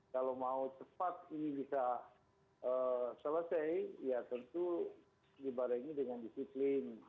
kalau mau cepat ini bisa selesai ya tentu dibarengi dengan disiplin